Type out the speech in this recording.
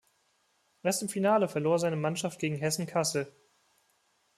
Erst im Finale verlor seine Mannschaft gegen Hessen Kassel.